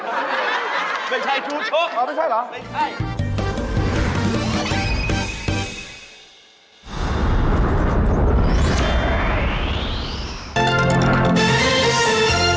ไม่ใช่ฟูช็อกไม่ใช่อ้าวไม่ใช่เหรอไม่ใช่